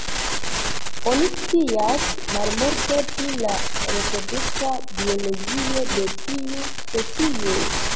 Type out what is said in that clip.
Oni scias malmulte pri la reprodukta biologio de tiu specio.